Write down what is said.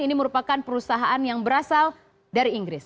ini merupakan perusahaan yang berasal dari inggris